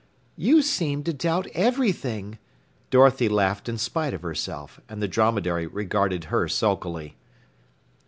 "You seem to doubt everything!" Dorothy laughed in spite of herself, and the Dromedary regarded her sulkily.